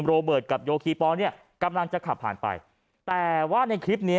โรเบิร์ตกับโยคีปอลเนี่ยกำลังจะขับผ่านไปแต่ว่าในคลิปนี้